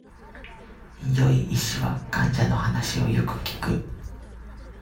良い医師は、患者の話を良く聞く。